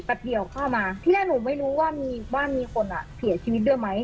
เดียวเข้ามาที่แรกหนูไม่รู้ว่ามีบ้านมีคนอ่ะเสียชีวิตด้วยไหม